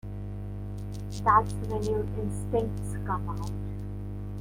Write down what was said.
That's when your instincts come out.